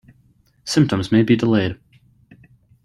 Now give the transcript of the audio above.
Symptoms may be delayed.